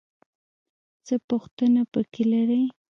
څه پوښتنه پکې لرې؟